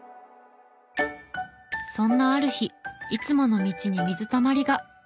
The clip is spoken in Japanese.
そんなある日いつもの道に水たまりが。